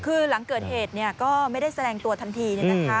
คือหลังเกิดเหตุก็ไม่ได้แสดงตัวทันที